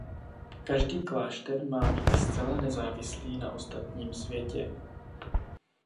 Každý klášter má být zcela nezávislý na ostatním světě.